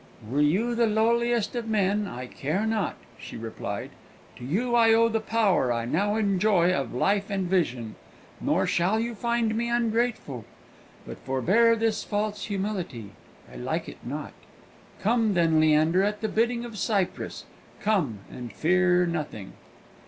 "Were you the lowliest of men, I care not," she replied; "to you I owe the power I now enjoy of life and vision, nor shall you find me ungrateful. But forbear this false humility; I like it not. Come, then, Leander, at the bidding of Cypris; come, and fear nothing!"